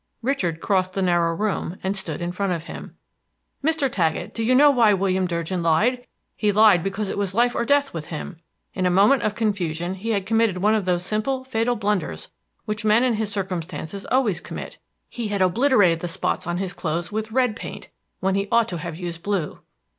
Richard crossed the narrow room, and stood in front of him. "Mr. Taggett, do you know why William Durgin lied? He lied because it was life or death with him! In a moment of confusion he had committed one of those simple, fatal blunders which men in his circumstances always commit. He had obliterated the spots on his clothes with red paint, when he ought to have used blue!"